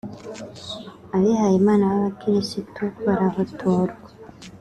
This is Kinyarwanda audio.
abihaye Imana b’abakirisitu barahotorwa